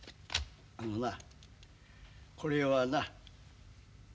あのなこれはな